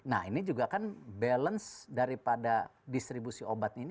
nah ini juga kan balance daripada distribusi obat ini